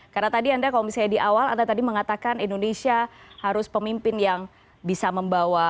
karena tadi anda kalau misalnya di awal anda tadi mengatakan indonesia harus pemimpin yang bisa membawa